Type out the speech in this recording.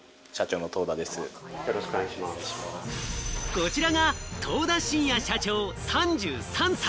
こちらが東田伸哉社長、３３歳。